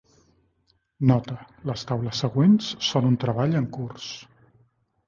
Nota: les taules següents són un treball en curs.